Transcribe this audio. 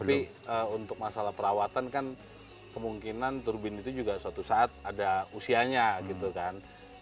tapi untuk masalah perawatan kan kemungkinan turbin itu juga suatu saat ada usianya gitu kan